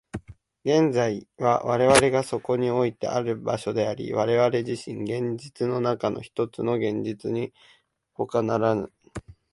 現実は我々がそこにおいてある場所であり、我々自身、現実の中のひとつの現実にほかならぬ。